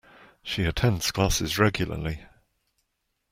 She attends classes regularly